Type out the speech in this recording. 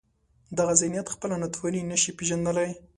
دغه ذهنیت خپله ناتواني نشي پېژندلای.